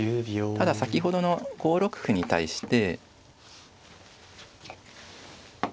ただ先ほどの５六歩に対して。